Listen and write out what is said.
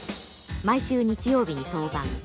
毎週日曜日に登板。